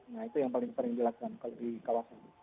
nah itu yang paling sering dilakukan di kawasan itu